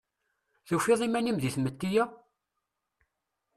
Tufiḍ iman-im di tmetti-a?